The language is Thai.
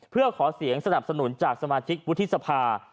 เพื่อขอเสียงสนับสนุนจากสมาชิกวุฒิสภา